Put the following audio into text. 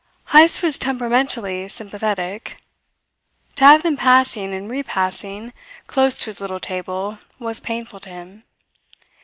Heyst was temperamentally sympathetic. To have them passing and repassing close to his little table was painful to him.